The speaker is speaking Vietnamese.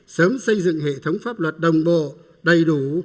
sớm xây dựng hệ thống pháp luật đồng bộ đầy đủ